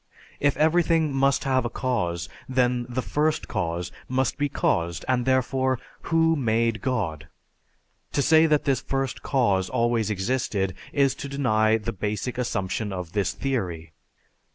If everything must have a cause, then the First Cause must be caused and therefore: Who made God? To say that this First Cause always existed is to deny the basic assumption of this "Theory."